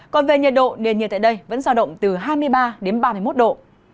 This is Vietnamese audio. còn về nhiệt độ nền nhiệt tại đây vẫn giao động từ hai mươi ba đến ba mươi một độ